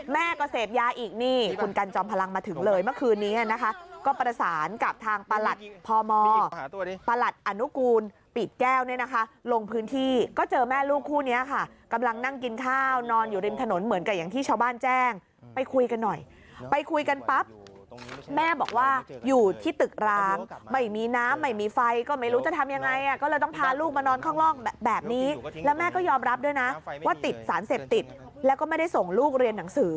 แม่ก็เสพยาอีกนี่คุณกันจอมพลังมาถึงเลยเมื่อคืนนี้นะคะก็ประสานกับทางประหลัดพมประหลัดอนุกูลปิดแก้วเนี่ยนะคะลงพื้นที่ก็เจอแม่ลูกคู่เนี่ยค่ะกำลังนั่งกินข้าวนอนอยู่ริมถนนเหมือนกับอย่างที่ชาวบ้านแจ้งไปคุยกันหน่อยไปคุยกันปั๊บแม่บอกว่าอยู่ที่ตึกร้านไม่มีน้ำไม่มีไฟก็ไม่รู้จะทำย